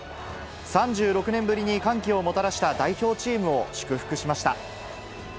３６年ぶりに歓喜をもたらした代表チームを祝福しました。